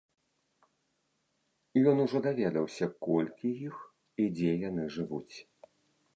Ён ужо даведаўся, колькі іх і дзе яны жывуць.